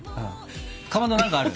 かまど何かある？